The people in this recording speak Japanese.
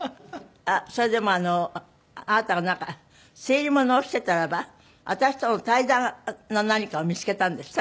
それでもあなたがなんか整理物をしてたらば私との対談の何かを見つけたんですって？